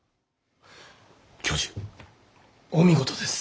教授お見事です。